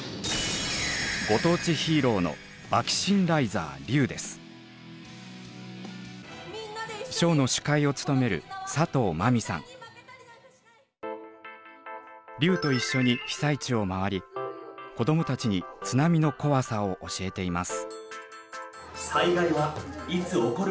ご当地ヒーローのショーの司会を務める龍と一緒に被災地を回り子どもたちに津波の怖さを教えています。